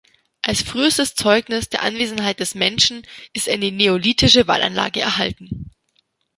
Als frühestes Zeugnis der Anwesenheit des Menschen ist eine neolithische Wallanlage erhalten.